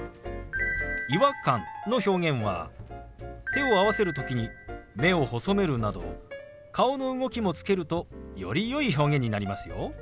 「違和感」の表現は手を合わせる時に目を細めるなど顔の動きもつけるとよりよい表現になりますよ。